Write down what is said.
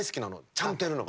ちゃんとやるのが。